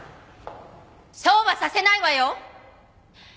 そうはさせないわよ！